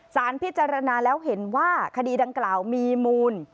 สารพิจารณาแล้วเห็นว่าคดีดังกล่าวมีมูล